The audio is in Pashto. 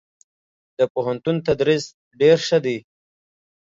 دپوهنتون تدريس ډير ښه دی.